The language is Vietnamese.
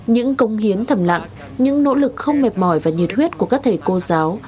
những công hiến thầm lặng những nỗ lực không mệt mỏi và nhiệt huyết của các thầy cô giáo